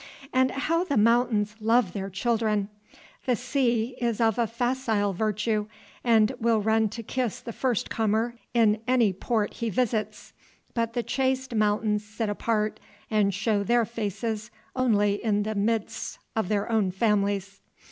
And how the mountains love their children! The sea is of a facile virtue, and will run to kiss the first comer in any port he visits; but the chaste mountains sit apart, and show their faces only in the midst of their own families.